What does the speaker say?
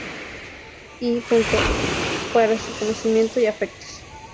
I. para su conocimiento y efectos.